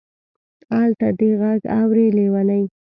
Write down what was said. الته دې غږ اوري لېونۍ.